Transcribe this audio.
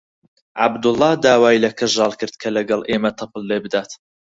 عەبدوڵڵا داوای لە کەژاڵ کرد کە لەگەڵ ئێمە تەپڵ لێ بدات.